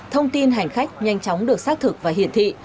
thông tin hành khách nhanh chóng được xác thực và hiển thị